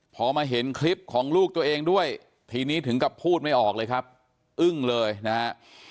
พอมาเห็นคลิปของลูกตัวเองด้วยทีนี้ถึงกับพูดไม่ออกเลยครับอึ้งเลยนะฮะ